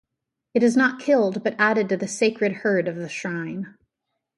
It is not killed but added to the sacred herd of the shrine.